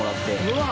うわ！